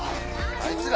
あいつら？